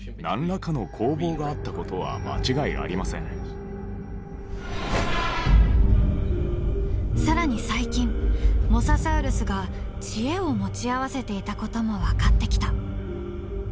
少なくとも更に最近モササウルスが知恵を持ち合わせていたことも分かってきた。